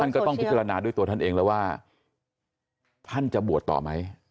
ก็ต้องพิจารณาด้วยตัวท่านเองแล้วว่าท่านจะบวชต่อไหม